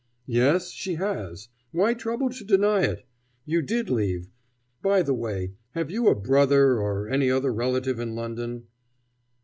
"Yes, she has. Why trouble to deny it? You did leave By the way, have you a brother or any other relative in London